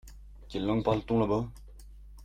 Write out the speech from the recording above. Quelle langue parle-t-on là-bas ?